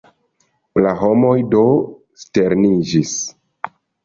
La homoj do sterniĝis.